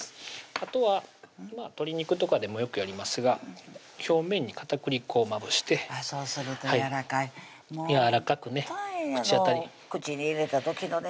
あとは鶏肉とかでもよくやりますが表面に片栗粉をまぶしてそうするとやわらかいやわらかくね口当たり口に入れた時のね